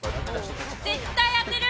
絶対当てる！